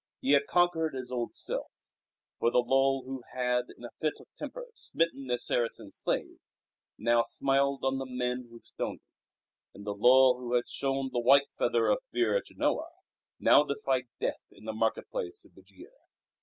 He had conquered his old self. For the Lull who had, in a fit of temper, smitten his Saracen slave now smiled on the men who stoned him; and the Lull who had showed the white feather of fear at Genoa, now defied death in the market place of Bugia.